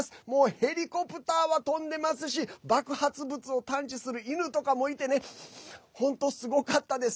ヘリコプターは飛んでいましたし爆発物を探知する犬とかもいて本当、すごかったです。